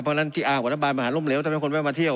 เพราะฉะนั้นที่อ้างว่ารัฐบาลมหาล่มเหลวทำไมคนไม่มาเที่ยว